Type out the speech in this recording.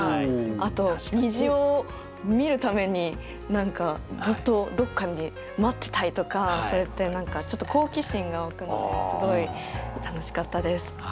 あと虹を見るためにずっとどっかに待ってたいとかそうやってちょっと好奇心が湧くのですごい楽しかったです。